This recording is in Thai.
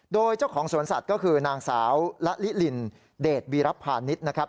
โดยเจ้าของสวนสัตว์ก็คือนางสาวละลิลินเดชวีรพาณิชย์นะครับ